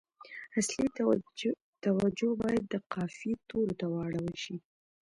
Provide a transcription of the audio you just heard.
اصلي توجه باید د قافیې تورو ته واړول شي.